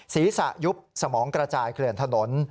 ศรีศะยุบสมองกระจายเคลื่อนถนน